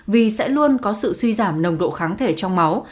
vì sẽ luôn có sự suy giảm nồng độ kháng thể trong máu